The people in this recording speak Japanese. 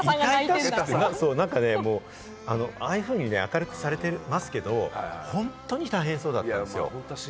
もうあんなふうに明るくされてますけれども、本当に大変そうだったんですよ。